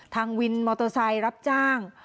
วินมอเตอร์ไซค์รับจ้าง